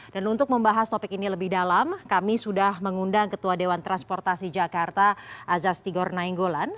untuk membahas topik ini lebih dalam kami sudah mengundang ketua dewan transportasi jakarta azas tigor nainggolan